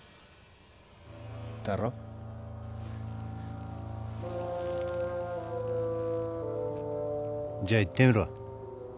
だろ？じゃ言ってみろ。